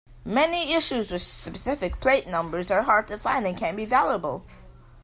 Many issues with specific plate numbers are hard to find and can be valuable.